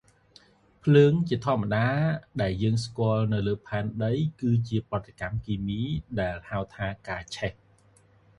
"ភ្លើង" ធម្មតាដែលយើងស្គាល់នៅលើផែនដី គឺជាប្រតិកម្មគីមីដែលហៅថា ការឆេះ។